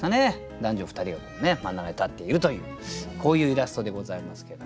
男女２人が真ん中に立っているというこういうイラストでございますけども。